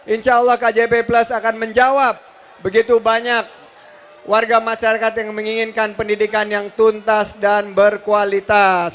insya allah kjp plus akan menjawab begitu banyak warga masyarakat yang menginginkan pendidikan yang tuntas dan berkualitas